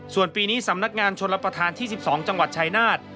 ส่วนปีนี้สำนักงานชนรับประทานที่๑๒จังหวัดชายนาฏ